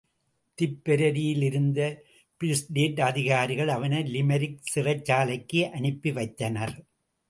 திப்பெரரியிலிருந்த Free State அதிகாரிகள் அவனை limerick சிறைச்சாலைக்கு அனுப்பிவைத்தனர்.